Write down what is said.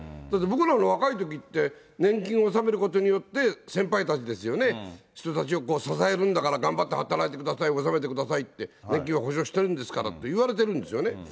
だって僕らの若いときって、年金納めることによって、先輩たちですよね、人たちを支えるんだから、頑張って働いてください、納めてくださいって、年金は保証してるんだからって言われてるんですよね。